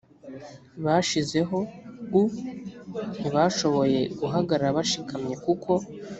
bashizeho u ntibashoboye guhagarara bashikamye kuko